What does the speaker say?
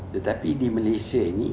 tetapi di malaysia ini